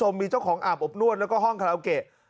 มีเจ้าของอาบอบนวลและห้องคอลาทแบมง์